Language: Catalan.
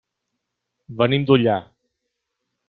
Venim d'Ullà.